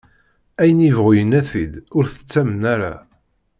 Ayen yebɣu yenna-t-id, ur t-ttamen ara.